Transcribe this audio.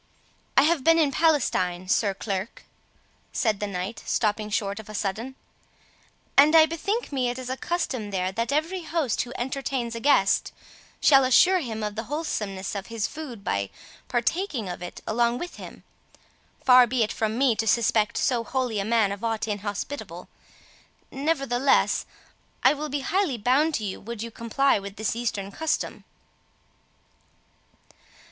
"I have been in Palestine, Sir Clerk," said the knight, stopping short of a sudden, "and I bethink me it is a custom there that every host who entertains a guest shall assure him of the wholesomeness of his food, by partaking of it along with him. Far be it from me to suspect so holy a man of aught inhospitable; nevertheless I will be highly bound to you would you comply with this Eastern custom."